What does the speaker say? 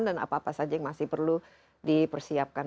dan apa apa saja yang masih perlu dipersiapkan